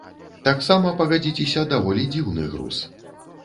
Таксама, пагадзіцеся, даволі дзіўны груз.